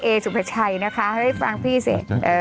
สุภาชัยนะคะให้ฟังพี่สิ